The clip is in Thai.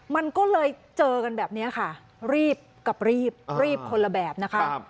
มันก็เลยเจอกันแบบนี้ค่ะรีบกับรีบรีบคนละแบบนะคะ